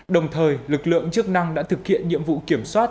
đồng thời lực lượng chức năng đã thực hiện nhiệm vụ kiểm soát